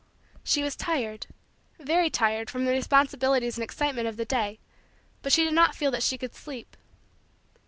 She was tired, very tired, from the responsibilities and excitement of the day but she did not feel that she could sleep.